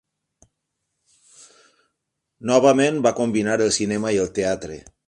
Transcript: Novament, va combinar el cinema i el teatre.